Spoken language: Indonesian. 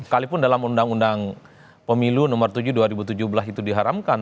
sekalipun dalam undang undang pemilu nomor tujuh dua ribu tujuh belas itu diharamkan